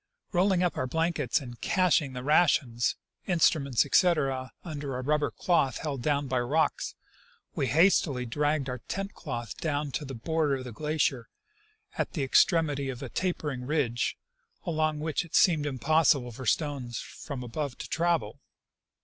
Rolling up our blankets and " caching " the rations, instruments, etc., under a rubber cloth held down by rocks, we hastily dragged our tent cloth down to the border of the glacier, at the extremity of a tapering ridge, along which it seemed impossible for stones from above to travel.